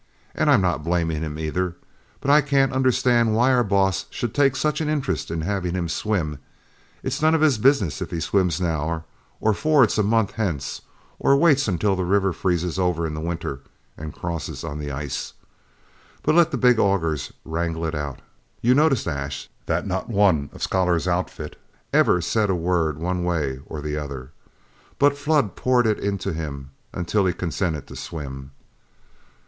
And I'm not blaming him, either; but I can't understand why our boss should take such an interest in having him swim. It's none of his business if he swims now, or fords a month hence, or waits until the river freezes over in the winter and crosses on the ice. But let the big augers wrangle it out; you noticed, Ash, that riot one of Scholar's outfit ever said a word one way or the other, but Flood poured it into him until he consented to swim.